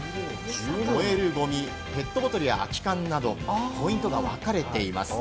燃えるゴミ、ペットボトルや空き缶などポイントがわかれています。